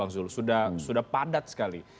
sudah padat sekali